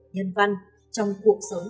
nhân văn trong cuộc sống